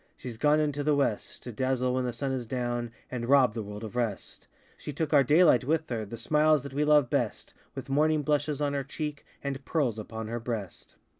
SheŌĆÖs gone into the West, To dazzle when the sun is down, And rob the world of rest; She took our daylight with her, The smiles that we love best, With morning blushes on her cheek, And pearls upon her breast.